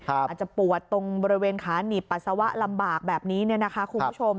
อาจจะปวดตรงบริเวณขานิบปัสสาวะลำบากแบบนี้คุณผู้ชม